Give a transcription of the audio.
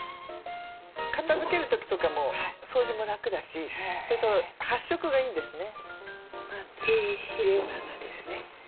片づける時とかも掃除も楽だしそれと発色がいいんですね。